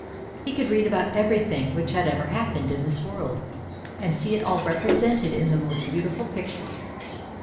He could read about everything which had ever happened in this world, and see it all represented in the most beautiful pictures.